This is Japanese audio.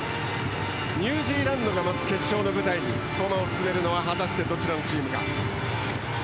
ニュージーランドが待つ決勝の舞台に駒を進めるのは果たして、どちらのチームか。